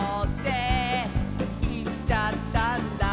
「いっちゃったんだ」